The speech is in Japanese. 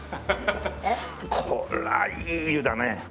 これはいい湯だね。